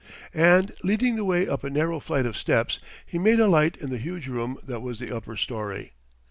And leading the way up a narrow flight of steps, he made a light in the huge room that was the upper storey.